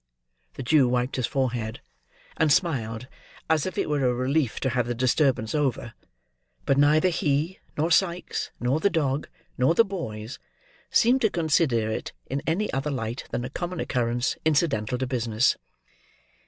The Jew wiped his forehead: and smiled, as if it were a relief to have the disturbance over; but neither he, nor Sikes, nor the dog, nor the boys, seemed to consider it in any other light than a common occurance incidental to business.